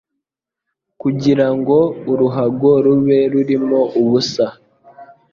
kugirango uruhago rube rurimo ubusa